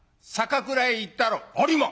「ありま！